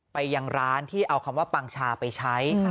ไปยังร้านที่เอาคำว่าปังชาไปใช้